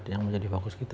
yang menjadi fokus kita